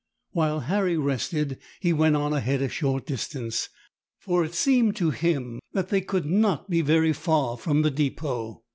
While Harry rested he went on ahead a short distance, for it seemed to him that they could not be very far from the depot.